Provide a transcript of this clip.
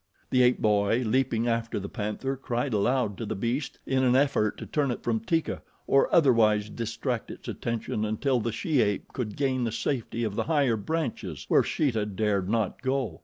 The ape boy, leaping after the panther, cried aloud to the beast in an effort to turn it from Teeka or otherwise distract its attention until the she ape could gain the safety of the higher branches where Sheeta dared not go.